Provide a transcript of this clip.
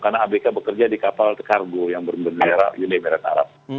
karena abk bekerja di kapal kargo yang berbendera uni merat arab